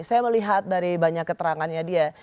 saya melihat dari banyak keterangannya dia